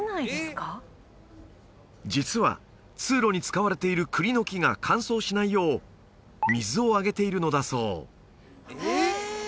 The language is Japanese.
実は通路に使われている栗の木が乾燥しないよう水をあげているのだそう